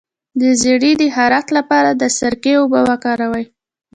د زیړي د خارښ لپاره د سرکې اوبه وکاروئ